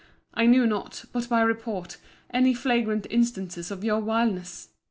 —I knew not, but by report, any flagrant instances of your vileness.